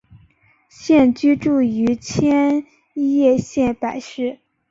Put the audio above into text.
现居住于千叶县柏市。